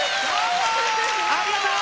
ありがとう。